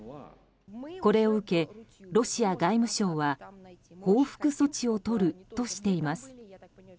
これを受け、ロシア外務省は報復措置を取るとしています。